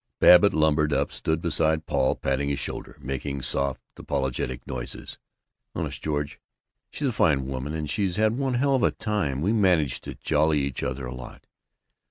Babbitt lumbered up, stood beside Paul patting his shoulder, making soft apologetic noises. "Honest, George, she's a fine woman, and she's had one hell of a time. We manage to jolly each other up a lot.